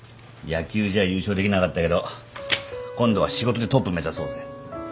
野球じゃ優勝できなかったけど今度は仕事でトップ目指そうぜ